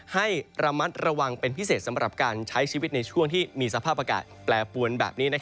ให้ระมัดระวังเป็นพิเศษสำหรับการใช้ชีวิตในช่วงที่มีสภาพอากาศแปรปวนแบบนี้